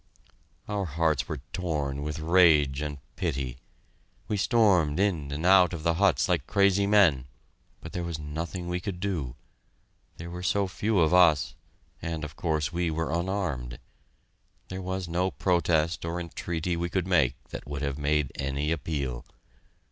Our hearts were torn with rage and pity. We stormed in and out of the huts like crazy men, but there was nothing we could do. There were so few of us, and of course we were unarmed. There was no protest or entreaty we could make that would have made any appeal.